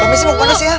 mbak mes si beneran ya